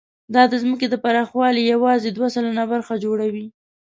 دا د ځمکې د پراخوالي یواځې دوه سلنه برخه جوړوي.